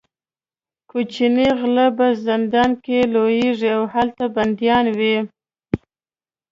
کوچني غله په زندان کې لویېږي او هلته بندیان وي.